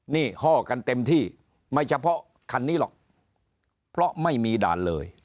นี่ห้อกันเต็มที่ไม่เฉพาะคันนี้หรอกเพราะไม่มีด่านเลย